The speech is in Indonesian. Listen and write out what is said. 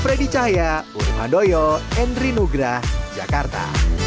fredy cahaya urimandoyo endri nugra jakarta